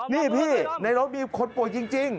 นี่พี่ในรถมีคนป่วยจริง